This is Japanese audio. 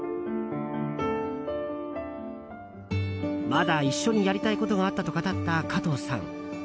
まだ一緒にやりたいことがあったと語った加藤さん。